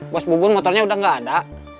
bos bubun motornya udah nggak ada